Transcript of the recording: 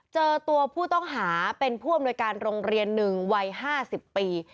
เจอตัวผู้ต้องหาเป็นผู้อำนวยการโรงเรียน๑วัย๕๐ปี